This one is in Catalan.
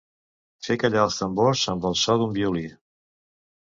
Fer callar els tambors amb el so d'un violí.